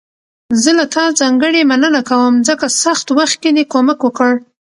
زه له تا ځانګړي مننه کوم، ځکه سخت وخت کې دې کومک وکړ.